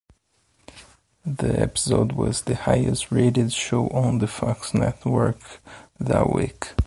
The episode was the highest-rated show on the Fox network that week.